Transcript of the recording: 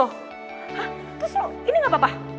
hah terus ini gak apa apa